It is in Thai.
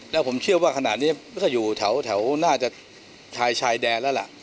แล้วผมเชื่อว่าขณะนี้มันก็อยู่แถวน่าจะชายชายแดนแล้วล่ะ